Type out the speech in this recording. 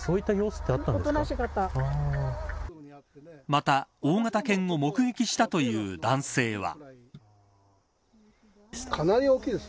また、大型犬を目撃したという男性は。